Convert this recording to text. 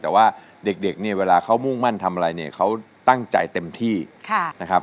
แต่ว่าเด็กเนี่ยเวลาเขามุ่งมั่นทำอะไรเนี่ยเขาตั้งใจเต็มที่นะครับ